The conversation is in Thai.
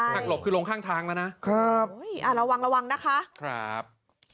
หักหลบคือลงข้างทางแล้วนะครับ